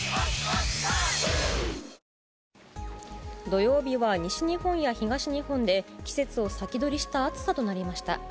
土曜日は西日本や東日本で、季節を先取りした暑さとなりました。